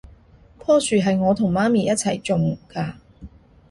樖樹係我同媽咪一齊種㗎